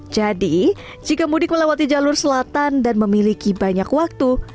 jadi jika mudik melewati jalur selatan dan memiliki banyak waktu